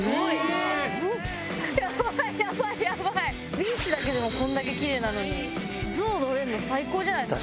ビーチだけでもこんだけキレイなのにゾウ乗れるの最高じゃないすか。